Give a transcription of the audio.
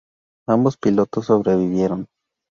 Ambos pilotos sobrevivieron.